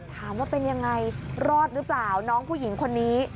ถามว่าเป็นยังไงรอดหรือเปล่าน้องผู้หญิงคนนี้